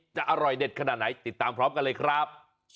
อร่อยเด็ดขนาดไหนติดตามพร้อมกันเลยครับ